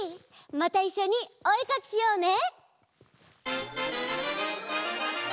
またいっしょにおえかきしようね！